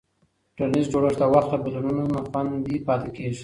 ټولنیز جوړښت د وخت له بدلونونو نه خوندي پاتې کېږي.